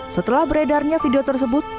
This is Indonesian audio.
setelah beredarnya video tersebut